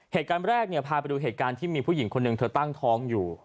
เหตุการณ์แรกเนี่ยพาไปดูเหตุการณ์ที่มีผู้หญิงคนหนึ่งเธอตั้งท้องอยู่